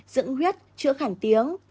dưỡng huyết chữa khẳng tiếng